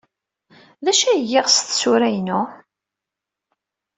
D acu ay giɣ s tsura-inu?